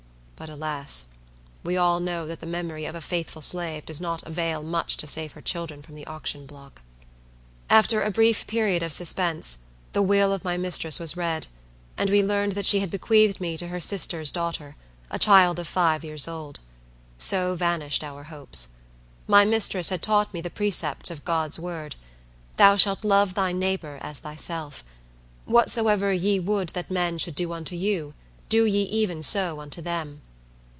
But, alas! we all know that the memory of a faithful slave does not avail much to save her children from the auction block. After a brief period of suspense, the will of my mistress was read, and we learned that she had bequeathed me to her sister's daughter, a child of five years old. So vanished our hopes. My mistress had taught me the precepts of God's Word: "Thou shalt love thy neighbor as thyself." "Whatsoever ye would that men should do unto you, do ye even so unto them."